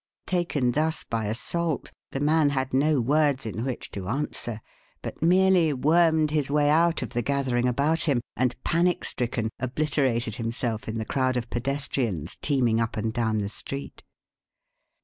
Taken thus by assault, the man had no words in which to answer, but merely wormed his way out of the gathering about him and, panic stricken, obliterated himself in the crowd of pedestrians teeming up and down the street.